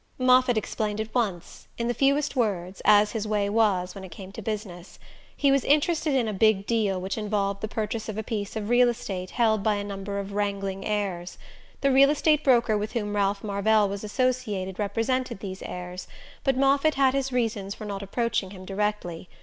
Moffatt explained at once, in the fewest words, as his way was when it came to business. He was interested in a big "deal" which involved the purchase of a piece of real estate held by a number of wrangling heirs. The real estate broker with whom Ralph Marvell was associated represented these heirs, but Moffatt had his reasons for not approaching him directly.